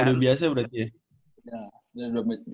udah biasa berarti ya